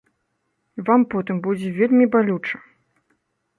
Вам потым будзе вельмі балюча.